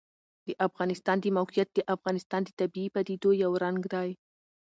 د افغانستان د موقعیت د افغانستان د طبیعي پدیدو یو رنګ دی.